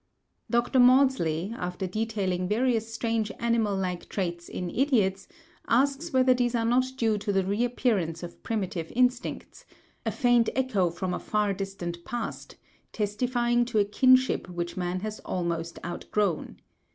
Dr. Maudsley, after detailing various strange animal like traits in idiots, asks whether these are not due to the reappearance of primitive instincts—"a faint echo from a far distant past, testifying to a kinship which man has almost outgrown."